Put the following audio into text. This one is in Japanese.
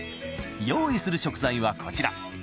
用意する食材はこちら。